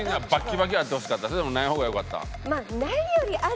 それともない方がよかった？